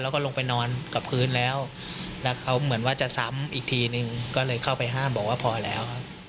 แล้วก็ลงไปนอนกับพื้นแล้วแล้วเขาเหมือนว่าจะซ้ำอีกทีนึงก็เลยเข้าไปห้ามบอกว่าพอแล้วครับ